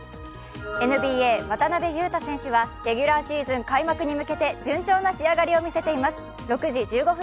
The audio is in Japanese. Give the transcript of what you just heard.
ＮＢＡ渡邊雄太選手はレギュラーシーズン開幕に向けて順調な仕上がりを見せています。